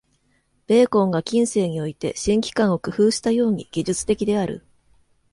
ベーコンが近世において「新機関」を工夫したように、技術的である。